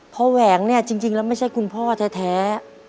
แหวงเนี่ยจริงแล้วไม่ใช่คุณพ่อแท้